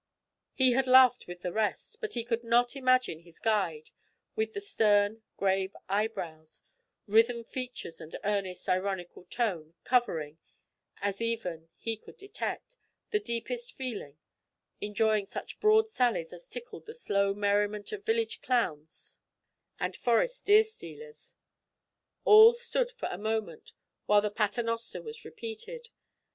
He had laughed with the rest, but he could not imagine his guide, with the stern, grave eyebrows, writhen features and earnest, ironical tone, covering—as even he could detect—the deepest feeling, enjoying such broad sallies as tickled the slow merriment of village clowns and forest deer stealers. All stood for a moment while the Paternoster was repeated.